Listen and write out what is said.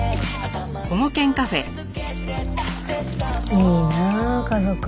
いいなあ家族。